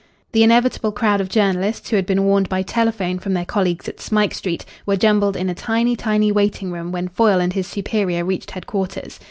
The inevitable crowd of journalists, who had been warned by telephone from their colleagues at Smike Street, were jumbled in a tiny, tiny waiting room when Foyle and his superior reached headquarters.